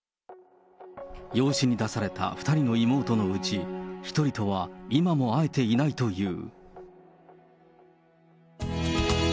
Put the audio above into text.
養子に出された２人の妹のうち、１人とは今も会えていないという。